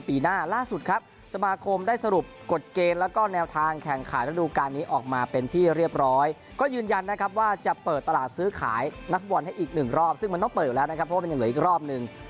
ปีหน้าล่าสุดครับสมาคมได้สรุปกฎเกณฑ์แล้วก็แนวทางแข่งขันระดูการนี้ออกมาเป็นที่เรียบร้อยก็ยืนยันนะครับว่าจะเปิดตลาดซื้อขายนักฟุตบอลให้อีกหนึ่งรอบซึ่งมันต้องเปิดอยู่แล้วนะครับเพราะว่ามันยังเหลืออีกรอบหนึ่ง